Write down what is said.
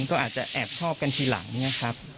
ก็อาจจะแอบชอบกันทีหลังนะครับ